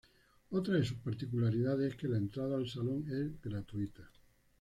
Otra de sus particularidades es que la entrada al salón es gratuita.